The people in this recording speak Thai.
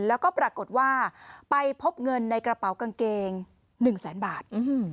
แล้วก็ปรากฏว่าไปพบเงินในกระเป๋ากางเกง๑แสนบาท